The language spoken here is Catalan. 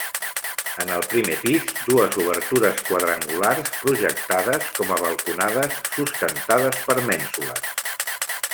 En el primer pis, dues obertures quadrangulars, projectades com a balconades, sustentades per mènsules.